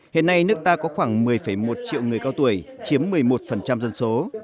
hiện nay nước ta có khoảng một mươi một triệu người cao tuổi chiếm một mươi một dân số